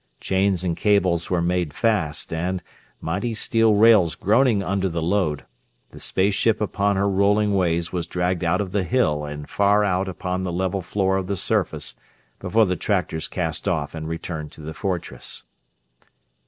Chains and cables were made fast and, mighty steel rails groaning under the load, the space ship upon her rolling ways was dragged out of the Hill and far out upon the level floor of the surface before the tractors cast off and returned to the fortress.